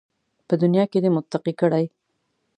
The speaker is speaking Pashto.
په دنیا کې دې متقي کړي